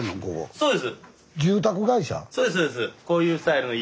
そうです。